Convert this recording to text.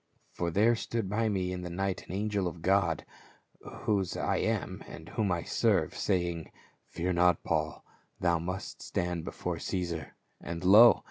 For there stood by me in the night the angel of God, whose I am and whom I serve, saying, Fear not Paul ; thou must stand before Caesar ; and lo